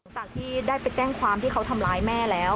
จากที่ได้ไปแจ้งความที่เขาทำร้ายแม่แล้ว